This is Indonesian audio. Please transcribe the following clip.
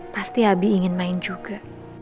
pasti abi ingin main juga